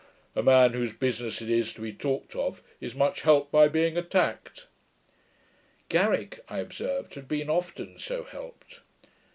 A man, whose business it is to be talked of, is much helped at being attacked.' Garrick, I observed, had been often so helped.